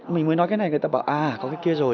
mình mới nói cái này người ta bảo à có cái kia rồi